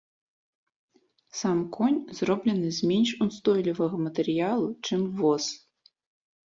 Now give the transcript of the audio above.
Сам конь зроблены з менш устойлівага матэрыялу, чым воз.